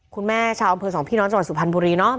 ชาวอำเภอสองพี่น้องจังหวัดสุพรรณบุรีเนาะ